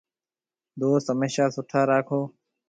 دوست هميشا سُٺا راکون۔